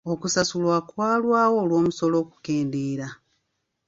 Okusasulwa kwalwawo olw'omusolo okukendeera.